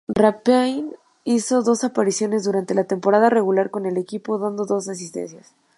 Rapinoe hizo dos apariciones durante la temporada regular con el equipo, dando dos asistencias.